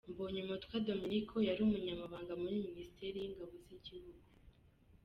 Mbonyumutwa Dominiko yari umunyamabanga muri minisiteri y’ingabo z’igihugu.